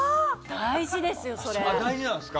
大事ですよ、それ。